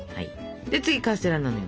で次カステラなのよ。